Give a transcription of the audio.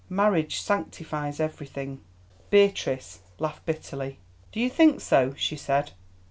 Marriage sanctifies everything." Beatrice laughed bitterly. "Do you think so?" she said.